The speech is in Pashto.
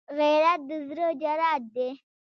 غیرت د زړه جرأت دی